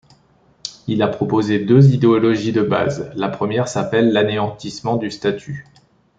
Il a proposé deux idéologies de base, la première s'appelle l'anéantissement du statut.